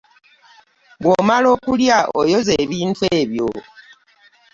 Bw'omala okulya oyoza ebintu ebyo.